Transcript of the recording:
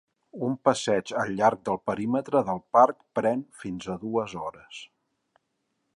Un passeig al llarg del perímetre del parc pren fins a dues hores.